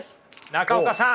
中岡さん。